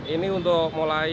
ini untuk mulai